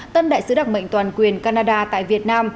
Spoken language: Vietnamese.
tân đại sứ đặc mệnh toàn quyền canada tại việt nam